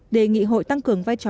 đề nghị hội tăng cường vai trò